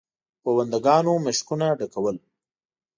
پونده ګانو مشکونه ډکول.